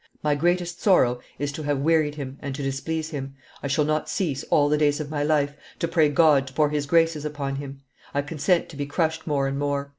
My greatest sorrow is to have wearied him and to displease him. I shall not cease, all the days of my life, to pray God to pour His graces upon him. I consent to be crushed more and more.